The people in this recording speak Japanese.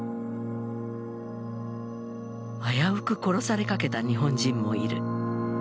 危うく殺されかけた日本人もいる。